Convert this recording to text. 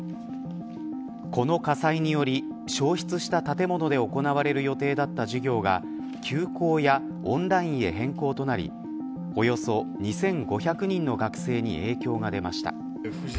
この火災により焼失した建物で行われる予定だった授業が休講やオンラインへ変更となりおよそ２５００人の学生に影響が出ました。